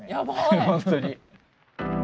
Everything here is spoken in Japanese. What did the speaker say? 本当に。